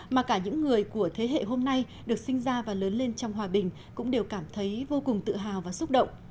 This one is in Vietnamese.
mà cả những người của thế hệ hôm nay được sinh ra và lớn lên trong hòa bình cũng đều cảm thấy vô cùng tự hào và xúc động